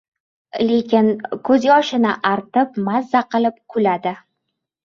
Lekin ko‘z yoshini artib mazza qilib kuladi.